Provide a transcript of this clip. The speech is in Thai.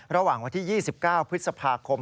ระหว่างวันที่๒๙พฤษภาคม